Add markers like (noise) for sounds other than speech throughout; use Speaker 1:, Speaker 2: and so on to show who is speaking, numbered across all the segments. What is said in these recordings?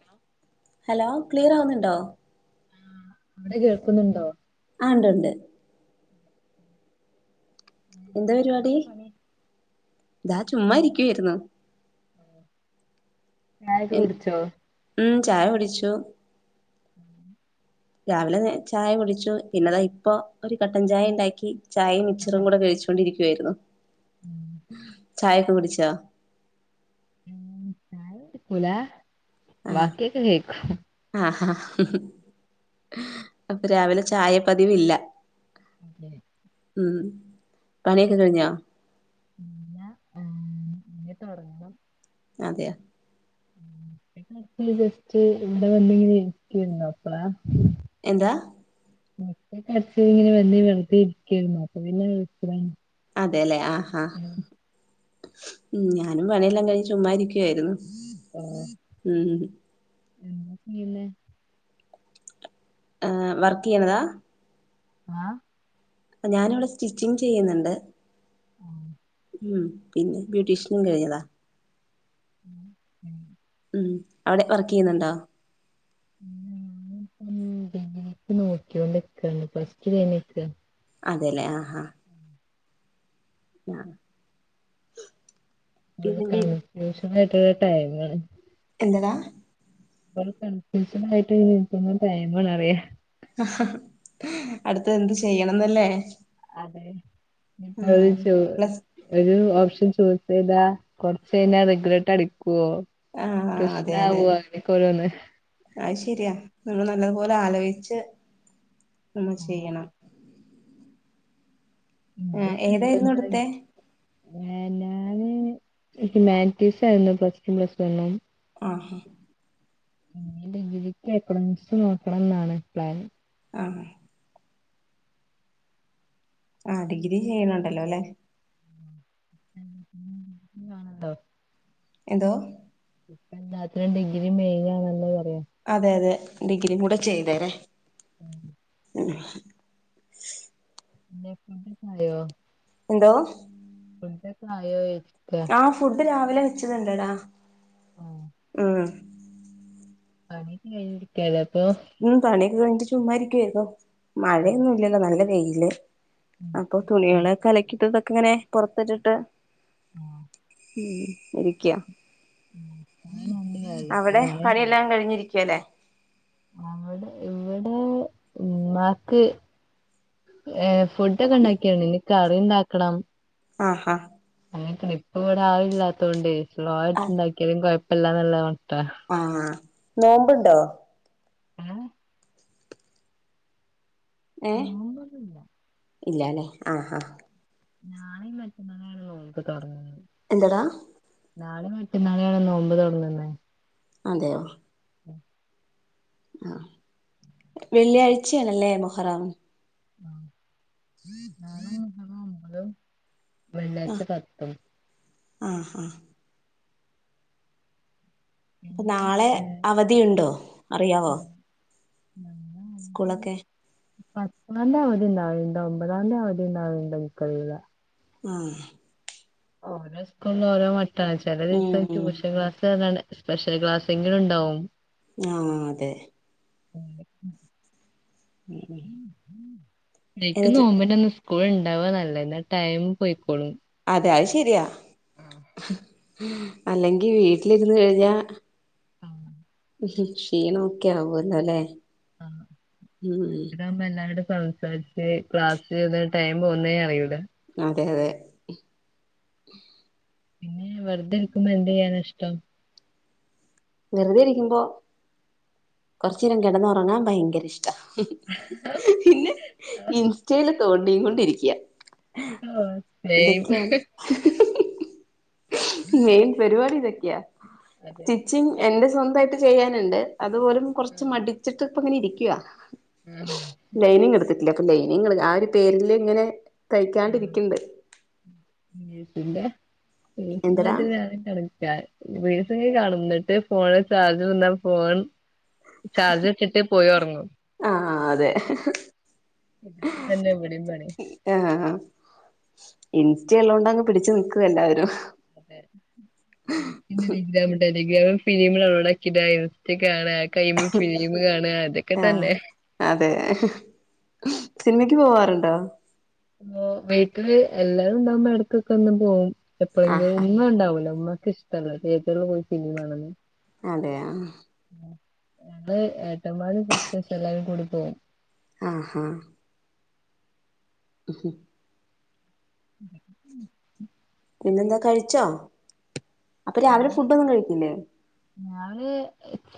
Speaker 1: Hello
Speaker 2: hello clear ആവുന്നുണ്ടോ
Speaker 1: ആഹ് അവിടെ കേൾക്കുന്നുണ്ടോ
Speaker 2: ആഹ് ഇണ്ട് ഇണ്ട്
Speaker 1: ഉം,
Speaker 2: എന്താ പരിപാടി
Speaker 1: പണി
Speaker 2: ഇതാ ചുമ്മാ ഇരിക്കുവായിരുന്നു
Speaker 1: ചായൊക്കെ
Speaker 2: എൻ-
Speaker 1: കുടിച്ചോ
Speaker 2: ഉം ചായ കുടിച്ചു
Speaker 1: ഉം
Speaker 2: രാവിലെ ചായ കുടിച്ചു പിന്നെതാ ഇപ്പോ ഒരു കട്ടൻ ചായ ഉണ്ടാക്കി ചായയും മിച്ചറും കൂടെ കഴിച്ചു ണ്ടരിക്കുവായിരുന്നു.
Speaker 1: ഉം
Speaker 2: ചായൊക്കെ കുടിച്ചോ
Speaker 1: ഉം ചായ ബാക്കിയൊക്കെ കേക്കും
Speaker 2: ആഹ് അപ്പൊ രാവിലെ ചായ പതിവില്ല
Speaker 1: അതെ
Speaker 2: ഉം പണിയൊക്കെ കഴിഞ്ഞാ
Speaker 1: ഇല്ല ഇനി തൊടങ്ങണം
Speaker 2: അതെയാ
Speaker 1: കട്ട്‌ ചെയ്ത് വെച്ച് ഇവിടെ വന്നിങ്ങനെ ഇരിക്കേര്ന്ന് അപ്പളാ
Speaker 2: എന്താ
Speaker 1: മുറ്റൊക്കെ അടിച്ച് ഇങ്ങനെ വന്ന് വെറുതെ ഇരിക്കേര്ന്നു അപ്പ പിന്നെ വിളിച്ചതാണ്
Speaker 2: അതേലെ ആഹാ ഉം ഞാനും പണയെല്ലാം കഴിഞ്ഞു ചുമ്മാ ഇരിക്കുവായിരുന്നു
Speaker 1: ആഹ്
Speaker 2: ഉം
Speaker 1: എന്താ ചെയ്യുന്നെ
Speaker 2: ആഹ് വർക്ക് ചെയ്യ്ണതാ
Speaker 1: ആഹ്
Speaker 2: ഇപ്പൊ ഞാനിവിടെ സ്റ്റിച്ചിങ്ങ് ചെയ്യുന്നുണ്ട്
Speaker 1: ആഹ്
Speaker 2: ഉം പിന്നെ ബ്യൂട്ടീഷ്യനും കഴിഞ്ഞതാ
Speaker 1: ഉം ഉം
Speaker 2: ഉം അവിടെ വർക്ക് ചെയ്യുന്നുണ്ടോ
Speaker 1: ഞാൻ ഇപ്പം ഡിഗ്രിക്ക് നോക്കിയൊണ്ട് നിക്ക പ്ലസ് ടു കഴിഞ്ഞു നിക്ക
Speaker 2: അതെല്ലേ ആഹ് ആഹ് ആഹ് പിന്നെ ബി
Speaker 1: ട്യൂഷൻ ആയിട്ടുള്ള ടൈം ആണ്
Speaker 2: എന്നതാ
Speaker 1: ട്യൂഷൻ കഴിഞ്ഞിട്ട് നിക്കുന്ന ടൈം ആണറിയ
Speaker 2: അടുത്ത് എന്ത് ചെയ്യണംന്നല്ലേ
Speaker 1: അതെ
Speaker 2: ആഹ്
Speaker 1: (unintelligible)
Speaker 2: പ്ലസ്
Speaker 1: ഒരു ഓപ്ഷൻ ചൂസ് ചെയ്താ കൊറച്ച് കഴിഞ്ഞാ റിഗ്രറ്റ് അടിക്കൊ പ്രശ്നവോ അങ്ങെനെക്കെ ഓരോന്ന്
Speaker 2: അയ്ശരിയാ നമ്മൾ നല്ലതുപോലെ ആലോയ്ച്ച് നമ്മൾ
Speaker 1: ആ,
Speaker 2: ചെയ്യണം ആഹ്
Speaker 1: (unintelligible)
Speaker 2: ഏതായിരുന്നു
Speaker 1: എന്തായി
Speaker 2: എടുത്തെ
Speaker 1: ഞാന് ഹ്യുമാനിറ്റീസ് ആയിരുന്നു പസ്ടുവും പ്ലസ് വണ്ണും
Speaker 2: ആഹ്
Speaker 1: ഡിഗ്രിക്ക് എകണോമിക്‌സ് നോക്കണംന്നാണ് പ്ലാന്
Speaker 2: ആഹ് ആഹ് ഡിഗ്രി ചെയ്യണണ്ടല്ലോ അല്ലെ
Speaker 1: (unintelligible)
Speaker 2: എന്തോ
Speaker 1: ഇപ്പൊ എല്ലാത്തിനും ഡിഗ്രി മെയിന് ആണെന്ന് പറയാം
Speaker 2: അതെ അതെ ഡിഗ്രി കൂടെ ചെയ്തരെേ
Speaker 1: ഉം
Speaker 2: ആഹ്
Speaker 1: പിന്നെ ഫുടൊക്കെ ആയോ
Speaker 2: എന്തോ
Speaker 1: ഫുടൊക്കെ ആയോ ചോയ്ക്ക
Speaker 2: ആഹ് ഫുഡ് രാവിലെ വെച്ചതുണ്ടെടാ
Speaker 1: ആഹ്
Speaker 2: ഉം
Speaker 1: പണിക്കെ കഴിഞ്ഞിരിക്കല്ലേ അപ്പൊ
Speaker 2: ഉം പണി ഒക്കെ കഴിഞ്ഞിട്ട് ചുമ്മാരിക്കുവരുന്നു മഴയൊന്നും ഇല്ലല്ലോ നല്ല വെയില് അപ്പൊ
Speaker 1: ശരി
Speaker 2: തുണികളൊെക്കെ അലക്കിട്ടതൊക്കെ ഇങ്ങനെ പുറത്തിട്ടിട്ട്
Speaker 1: ആഹ്
Speaker 2: ഉം ഇരിക്ക്യ
Speaker 1: അങ്ങനെണ്ട് കാലം ഇപ്പൊ
Speaker 2: അവിടെ
Speaker 1: മഴല്ല
Speaker 2: പണിയെല്ലാം കഴിഞ്ഞിരിക്കാല്ലേ
Speaker 1: അവിടെ ഇവിടെ ഉമ്മക്ക്‌ ഏഹ് ഫുഡൊക്കെ ഉണ്ടാക്കിയാണ് ഇനി കറി ഉണ്ടാക്കണം
Speaker 2: ആഹാ
Speaker 1: അങ്ങനെ ഇപ്പ ഇവിടെ ആളില്ലാത്തൊണ്ടയ് സ്ലോ
Speaker 2: ആ
Speaker 1: ആയിട്ടുണ്ടാക്കിയാലും കൊഴപല്ലന്ന്ള്ള മട്ടാ
Speaker 2: ആഹ് നോമ്പുണ്ടോ
Speaker 1: ഉം
Speaker 2: ഏഹ്
Speaker 1: നോമ്പൊന്നുല്ല
Speaker 2: ഇല്ലാലെ ആഹ് ആഹ്
Speaker 1: നാളെയും മറ്റന്നാളുമാണ് നോമ്പ് തുടങ്ങുന്നത്
Speaker 2: എന്തടാ
Speaker 1: നാളെ മറ്റന്നാളേണ് നോമ്പ് തൊടങ്ങുന്നെ
Speaker 2: അതെയോ
Speaker 1: (inaudible)
Speaker 2: ആഹ് വെള്ളിയാഴ്ചയാണല്ലേ മൊഹറം
Speaker 1: നമ്മള്
Speaker 2: ആ
Speaker 1: വെള്ളിയാഴ്ച്ച കത്തും.
Speaker 2: ആഹ് ആഹ് അപ്പൊ
Speaker 1: പിന്നെ
Speaker 2: നാളെ
Speaker 1: ഏഹ്
Speaker 2: അവധിയുണ്ടോ അറിയാവോ?
Speaker 1: ഞങ്ങ വണ്ട്.
Speaker 2: സ്കൂളൊക്കെ
Speaker 1: പത്താന്തി അവധിണ്ടാവലുണ്ട് ഒമ്പതാന്തി അവതിണ്ടാവലുണ്ടോ ഇൻക്കറീല
Speaker 2: ആഹ്
Speaker 1: ഓരോ സ്കൂളും ഓരോ മട്ടാണ് ചെല
Speaker 2: ഉം
Speaker 1: ദിവസം
Speaker 2: ഉം
Speaker 1: ട്യൂഷൻ ക്ലാസ് പറഞ്ഞാണ്ട് സ്പെഷ്യൽ ക്ലാസെങ്കിലും ഇണ്ടാവും
Speaker 2: ആഹ് അതെ
Speaker 1: ഉം നേര്ക്ക്
Speaker 2: എന്നിട്ട്
Speaker 1: നോമ്പിന്റെ അന്ന് സ്കൂൾ ഉണ്ടാവാ നല്ലത് എന്നാ ടൈം പോയിക്കോളും
Speaker 2: അതെ അത് ശരിയാ അല്ലെങ്കി വീട്ടിലിരുന്ന് കഴിഞ്ഞാൽ.
Speaker 1: ആഹ്
Speaker 2: ഉം ഉം ക്ഷീണം ഒക്കെ ആവല്ലോല്ലേ?
Speaker 1: ആഹ് മറ്റതാവുമ്പോ എല്ലാരുടെയും സംസാരി ഏഹ് ക്ലാസ് ചെയ്ത ടൈം പോന്നേ അറിയൂല്ല
Speaker 2: അതെ അതെ.
Speaker 1: പിന്നെ വെറുതെ ഇരിക്കുമ്പോ എന്ത് ചെയ്യാനാ ഇഷ്ടം?
Speaker 2: വെറുതെ ഇരിക്കുമ്പോ കൊറച്ചരം കെടന്ന് ഒറങ്ങാൻ ഭയങ്കര ഇഷ് പിന്നെ ഇൻസ്റ്റൽ തോണ്ടീ കൊണ്ടിരിക്ക്യാ
Speaker 1: ആഹ് സെയിം
Speaker 2: ഇതൊക്കെയാണ്. മെയിൻ പരിപാടിതൊക്കെയാ.
Speaker 1: അതെ
Speaker 2: ച്ചും എന്റെ സ്വന്തായിട്ട് ചെയ്യാനുണ്ട് അത്പോലും
Speaker 1: ആഹ്
Speaker 2: കൊറച്ച് മടിച്ചിട്ട് ഇപ്പം ഇങ്ങനെ ഇരിക്കുവാ
Speaker 1: ഉം
Speaker 2: ലൈനിങ് എടുത്തിട്ടില്ല അപ്പൊ ലൈനി ആ ഒരു പേരില് ഇങ്ങനെ തയ്ക്കാണ്ടിരിക്കുന്നുണ്ട്.
Speaker 1: അനിയത്തിന്റെ
Speaker 2: എന്തടാ
Speaker 1: ഓക്ക്പ്പത് ഏറെക്കാരം റിൻസൊക്കെ കാണും ന്നട്ട് ഫോണില് ചാർജ് തീർന്നാ ഫോൺ. ചാർജ്നിട്ടിട്ട് പോയി ഒറങ്ങും
Speaker 2: ആഹ് അതെ
Speaker 1: ഇതന്നെ ഇവിടിം പണി
Speaker 2: ആഹ് ഇൻസ്റ്റ ഉള്ളോണ്ടങ്ങ് പിടിച്ചു നിക്കും എല്ലാവരും.
Speaker 1: അതെ പിന്നെ ടെലഗ്രാം ടെലഗ്രാമില് ഫിലിം ഡൌൺലോഡ് ആക്കിടാ ഇൻസ്റ്റ കാണാ കയ്യുമ്പോ ഫിലിം കാണാ അതൊക്കെ
Speaker 2: ആഹ്
Speaker 1: തന്നെ.
Speaker 2: അതെ സിനിമക്ക് പോവാറുണ്ടോ?
Speaker 1: വീട്ടില് എല്ലാരും ഇണ്ടാവുമ്പോ എടക്കൊക്കെ ഒന്ന് പോവും എപ്പോഴെങ്കിലും
Speaker 2: ആഹാ
Speaker 1: ഉമ്മ ഉണ്ടാവൂലാ ഉമ്മക്ക് ഇഷ്ടമല്ല തിയേറ്ററിൽ പോയി സിനിമകാണുന്നെ
Speaker 2: അതെയാ
Speaker 1: അത് ഏട്ടമ്മാര് ഒട്ടും ഇഷ്ടല്ല എല്ലാരും കൂടി പോവും
Speaker 2: ആഹാ ഉം
Speaker 1: (inaudible)
Speaker 2: പിന്നെന്താ കഴിച്ചോ അപ്പോ രാവിലെ
Speaker 1: ഉമ്മ
Speaker 2: ഫുഡൊന്നും കഴിക്കില്ലേ
Speaker 1: ഞാന്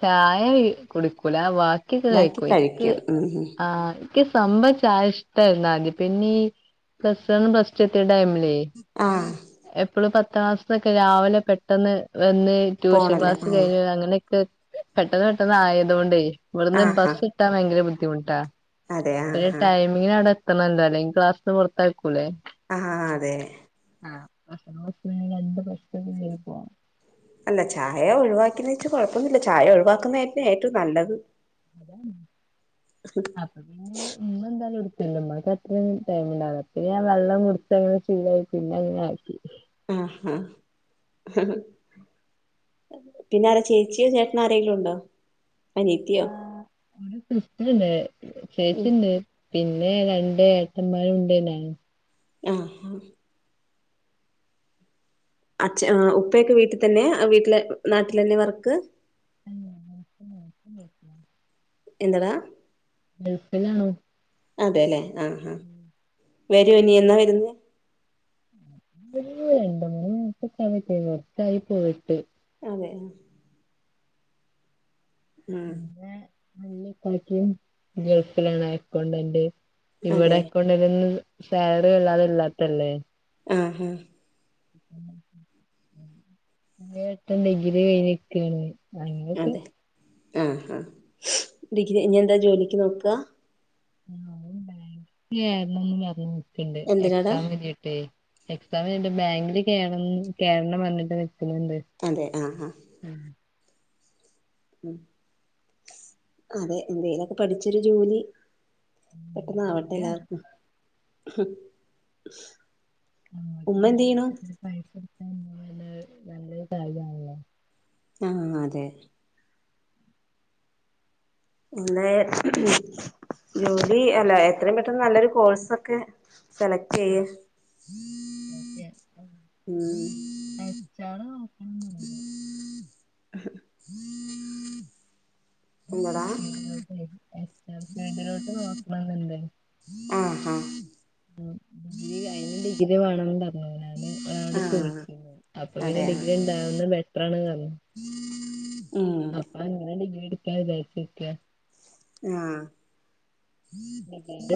Speaker 1: ചായ ഈ കുടിക്കൂല വാ ക്കിക്കോ
Speaker 2: ഉണ്ടാക്കി
Speaker 1: കഴിക്കോയ് ഇക്ക്
Speaker 2: കഴിക്കും ഉം ഉം
Speaker 1: ആ ഇക്ക് സംഭവം ചായ ഇഷ്ടായ്രുന്നു ആദ്യം പിന്നെ ഈ പ്ലസ് വൺ പ്ലസ് റ്റൂ എത്തിയ ടൈമിലേ.
Speaker 2: ആഹ്
Speaker 1: എപ്പള് പത്താം ക്ലാസ്സ്ന്നൊക്കെ രാവ് ലെ പെട്ടെന്ന് വന്ന്. ട്യൂഷൻ
Speaker 2: പോണല്ലേ
Speaker 1: ക്ലാസ്
Speaker 2: ആഹ്
Speaker 1: കഴിഞ്ഞു അങ്ങനെക്കെ പെട്ടെന്ന് പെട്ടന്ന് ആയതോണ്ടേയ് ഇവട്ന്ന്
Speaker 2: ആഹാ
Speaker 1: ബസ്സ് ട്ടാം ഭയങ്കര ബുദ്ധിമുട്ടാ
Speaker 2: അതെ
Speaker 1: അയ്‌ന്റെ
Speaker 2: ആഹാ
Speaker 1: ടൈമ് മിങ്ങിനവ്ടെ എത്തണല്ലോ അല്ലങ്കി ക്ലാസ്ന്ന് പൊർത്താക്കൂല്ലേ
Speaker 2: ആഹ് അതെ
Speaker 1: ആ (unintelligible)
Speaker 2: അല്ല ചായ ഒഴിവാക്കിന്നെച്ച് കൊഴപ്പൊന്നുല്ല ചായ ഒഴിവാക്കുന്നന്നേറ്റവും നല്ലത്
Speaker 1: ഉം അപ്പ പിന്നെ ഉമ്മ എന്താലും (unintelligible) ഉമ്മാക്ക് അതൃമ് ടൈമ് ഉണ്ടാവ് ല അപ്പ പിന്നെ ഞാൻ വെള്ളം കുട്ച്ചങ്ങനെ ശീലായ് പിന്നെ അങ്ങനെ ആക്കി
Speaker 2: ആഹാ പിന്നാരാ ചേച്ചിയോ ചേട്ടനാരെങ്കിലുണ്ടോ അനിയത്തിയോ
Speaker 1: പിന്നെ സിസ്റ്ററ്ണ്ട്
Speaker 2: ഉം
Speaker 1: ചേച്ചിണ്ട് പിന്നെ രണ്ട് ഏട്ടന്മാരുണ്ട് നാനും
Speaker 2: ആഹ് അഛ ആ ഉപ്പയൊക്കെ വീട്ട് തന്നെ വീട്ട്ലെ നാട്ട്ലെന്നെ വർക്ക്
Speaker 1: (unintelligible)
Speaker 2: എന്തടാ
Speaker 1: ഗൾഫിലാണോ
Speaker 2: അതെ ലേ ആ ആ വരുവനി എന്നാ വരുന്നേ
Speaker 1: ഒരു രണ്ടു മൂന്ന് മാസൊക്കെ കയ്ഞ്ഞ്ട്ട് വെരും എട്ടായി പോയിട്ട്
Speaker 2: അതെ
Speaker 1: പിന്നെ വല്ല്യ ഇക്കാക്കിം ഗൾഫിലാണ് അക്കൗണ്ടന്റ് ഇവ്ടെ
Speaker 2: അതെ ആഹ് അതെ
Speaker 1: അക്കൗണ്ടന്റ്ന് ഒന്നും സാലറി വല്ലാതെ ഇല്ലാത്തല്ലേ
Speaker 2: ആഹ് ആഹ്
Speaker 1: ഒര് എട്ടൻ ഡിഗ്രി കഴിഞ്ഞ് ക്കാണ്
Speaker 2: അതെ ആ ആ ഡിഗ്രി കഴിഞ്ഞെന്താ ജോലിയ്ക്ക് നോക്കാ
Speaker 1: അവൻ ബേങ്ക്ക്ക്‌ കേര്ണം ന്നും പർഞ്ഞ് നിക്ക്ണ്ട്
Speaker 2: എന്തിനാടാ
Speaker 1: എക്സാം കയ്ഞ്ട്ടേയ് എക്സാം കയ്ഞ്ട്ട് ബേങ്കില് കേർ കേര്ണം പർഞ്ട്ട് നിക്ക്ന്ന്ണ്ട്
Speaker 2: അതെ ആ ആ
Speaker 1: ഉം
Speaker 2: അതെ എന്തേലൊക്കെ പഠിച്ചൊരു ജോലി പെട്ടെന്നാവട്ടെ
Speaker 1: ജോലിയാണ്
Speaker 2: എല്ലാർക്കും
Speaker 1: അവനോൽക്ക് അവന് ആവശ്യത്തിന് പൈസ കിട്ടാന്ന് പർഞ്ഞാ നല്ലൊര് നല്ലൊര് കാര്യാൺള്ളോ
Speaker 2: ആ അതെ ല്ലേ ജോലി അല്ല എത്രയും പെട്ടെന്ന് നല്ലൊരു കോഴ്സൊക്കെ സെലക്റ്റ് ചെയ്യ്
Speaker 1: ആഹ് ഓക്കെ
Speaker 2: ഉം
Speaker 1: (unintelligible)
Speaker 2: (unintelligible)
Speaker 1: എച്ചാർ
Speaker 2: എന്താടാ
Speaker 1: ഫീൽഡ്ലോട്ടെ എച്ചാർ ഫീൽഡിലോട്ട് നോക്കണംന്ന്ണ്ട്
Speaker 2: ആഹ് ആഹ്
Speaker 1: ഡിഗ്രി അയിനും ഡിഗ്രി വേണം ന്താ ഞാൻ ഒരാളോട്
Speaker 2: ആഹ്
Speaker 1: ചോയിച്ചിന്നു അപ്പൊ പിന്നെ
Speaker 2: അതെ
Speaker 1: ഡിഗ്രി ഇണ്ടാവുന്നത് ബെറ്ററാണ് പറഞ്ഞു
Speaker 2: ഉം
Speaker 1: അപ്പൊ അങ്ങനെ ഡിഗ്രിട്ക്കാ വിചാരിച് നിക്ക
Speaker 2: ആഹ്
Speaker 1: (unintelligible)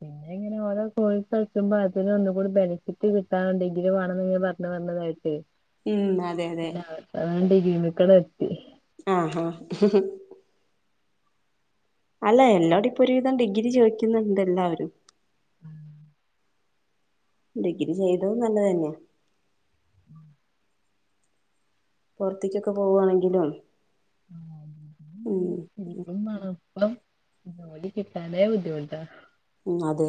Speaker 1: പിന്നെങ്ങന ഓരോ കോഴ്സ് ഇട്ക്കുമ്പോ അതിന് ഒന്നും കൂടി ബെനിഫിറ്റ് കിട്ടാന് ഡിഗ്രി വേണംന്ന് ഇങ്ങനെ പറഞ്ഞ് പറഞ്ഞ് ഇതായിട്ടെ
Speaker 2: ഉം അതെ അതെ
Speaker 1: അങ്ങനെ ഡിഗ്രിമ്മെക്കണ്ട് എത്തി
Speaker 2: ആഹ് ആഹ് അല്ല എല്ലോടിം ഇപ്പൊ ഒരുവിധം ഡിഗ്രി ചോദിക്കുന്നുണ്ട് എല്ലാവരും
Speaker 1: ഉം
Speaker 2: ഡിഗ്രി ചെയ്തതും നല്ലതന്നെയാ പുറത്തിക്കൊക്കെ പോവാണെങ്കിലും ഉം
Speaker 1: മണപ്പം ജോലിക്കിട്ടാനേ ബുദ്ധിമുട്ടാ
Speaker 2: ഉം അതെ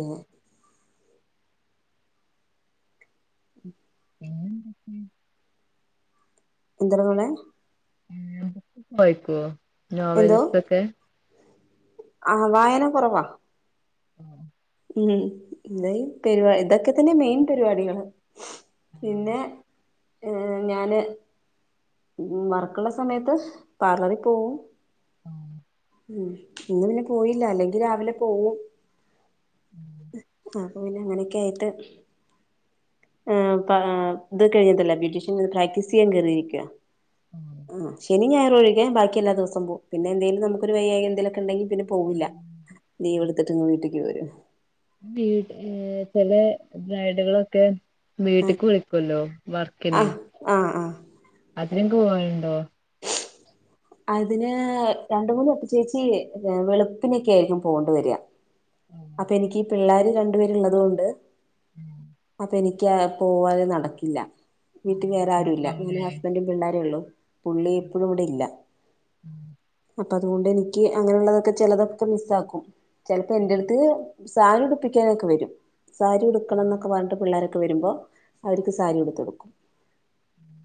Speaker 1: പിന്നെന്തൊക്കെ
Speaker 2: എന്തര് മോളെ
Speaker 1: വായിക്കോ
Speaker 2: എന്തോ
Speaker 1: നോവൽസൊക്കെ
Speaker 2: ആഹ് വായന കുറവാ
Speaker 1: ഉം
Speaker 2: ഉം ഇത പരിപാ ഇതൊക്കെ തന്നെ മെയിൻ പരിപാടികള് പിന്നെ ഏഹ് ഞാന് ഉം വർക്കുള്ള സമയത്ത് പാർലറിൽ പോവും
Speaker 1: ആഹ്
Speaker 2: ഉം ഇന്ന് പിന്നെ പോയില്ല അല്ലെങ്കിൽ രാവിലെ പോവും ആഹ് ഇപ്പോ പിന്നെ അങ്ങനെയൊക്കെ ആയിട്ട് ആഹ് ഇപ്പൊ ആ ഇത് കഴിഞ്ഞതല്ല ബ്യൂട്ടീഷ്യൻ പ്രാക്ടീസ് ചെയ്യാൻ കയറിയിരിക്കുവ
Speaker 1: ആഹ്
Speaker 2: ആഹ് ശനിയും ഞായറൊഴികെ ബാക്കി എല്ലാ ദിവസും പോവും പിന്നെ എന്തേലും നമുക്ക് ഒരു വെയ്യായി എന്തെലൊക്കെ ഉണ്ടെങ്കിൽ പിന്നെ പോവൂല്ല ലീവെടുത്തിട്ട്ങ്ങ് വീട്ട്ക്കി പോരും
Speaker 1: വീ ഏഹ് ചെല ബ്രയിഡുകളൊക്കെ വീട്ട്ക്ക് വിളിക്കൊല്ലോ
Speaker 2: ആ
Speaker 1: വർക്കിന്
Speaker 2: ആ ആ
Speaker 1: അതിനൊക്കെ പോവലുണ്ടോ (unintelligible)
Speaker 2: അതിന് രണ്ട് മൂന്ന് വട്ടം ചേച്ചി വെളുപ്പിനൊക്കെ ആയിരിക്കും പോവേണ്ടി വര അപ്പൊ എനിക്ക് ഈ പിള്ളാര് രണ്ടു പേര് ഉള്ളത് കൊണ്ട്
Speaker 1: ഉം
Speaker 2: അപ്പ എനിക്ക് പോവല് നടക്കില്ല വീട്ടിൽ വേറെ ആരുല്ല
Speaker 1: ബുദ്ധിമുട്ടാവുലേ
Speaker 2: ഞാനും ഹസ്ബന്റും പിള്ളോരും ഒള്ളു പുള്ളി ഇപ്പഴും ഇവിടെ ഇല്ല
Speaker 1: ഉം
Speaker 2: അപ്പ അതുകൊണ്ട് എനിക്ക് അങ്ങനെയുള്ളതൊക്കെ ചിലതൊക്കെ മിസ് ആക്കും ചിലപ്പോ എന്റെ അടുത്ത് സാരി ഉടിപ്പിക്കാനൊക്കെ വരും സാരി ഉടുക്കണംന്നൊക്കെ പറഞ്ഞിട്ട് പിള്ളേരൊക്കെ വരുമ്പോ അവര്ക്ക് സാരി ഉടുത്ത് കൊടുക്കും
Speaker 1: ഉം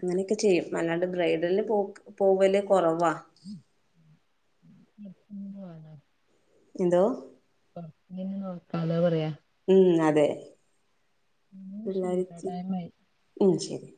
Speaker 2: അങ്ങനെയൊക്കെ ചെയ്യും അല്ലാണ്ട് ബ്രൈഡലന് പോക് പോവല് കൊറവാ എന്തോ
Speaker 1: നോക്കാലോ പറയാ
Speaker 2: ഉം അതെ പിള്ളേര്
Speaker 1: ശരിട്ടോ
Speaker 2: ത്തിരി
Speaker 1: ടൈമായി
Speaker 2: ഉം ശരി